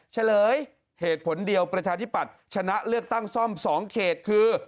เฉลยเหตุผลเดียวประชาธิปัตย์ชนะเลือกตั้งซ่อม๒เขตคือ